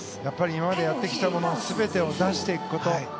やっぱり今までやってきたもの全てを出していくこと。